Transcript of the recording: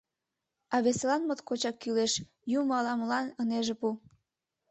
А весылан моткочак кӱлеш — Юмо ала-молан ынеж пу.